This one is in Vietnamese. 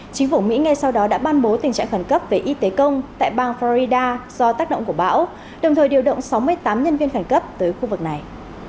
chính phủ mỹ ngay sau đó đã ban bố tình trạng khẩn cấp về y tế công tại bang florida do tác động của bão đồng thời điều động sáu mươi tám nhân viên khẩn cấp tới khu vực này